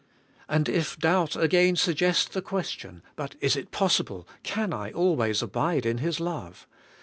And if doubt again suggest the question : But is it possible, can I always abide in His love?